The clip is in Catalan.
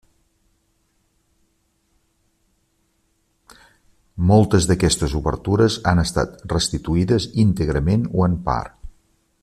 Moltes d'aquestes obertures han estat restituïdes íntegrament o en part.